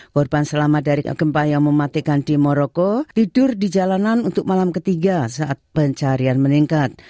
korban selamat dari gempa yang mematikan di moroko tidur di jalanan untuk malam ketiga saat pencarian meningkat